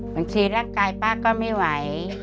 บางทีร่างกายป้าก็ไม่ไหว